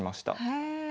へえ。